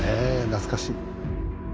懐かしい。